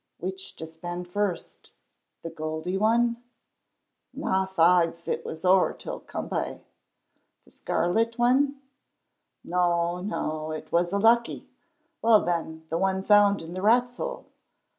Which to spend first? The goldy one? Na faags, it was ower ill to come by. The scartit one? No, no, it was a lucky. Well, then, the one found in the rat's hole?